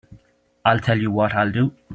I'll tell you what I'll do.